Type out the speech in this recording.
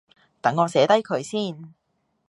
等我寫低佢先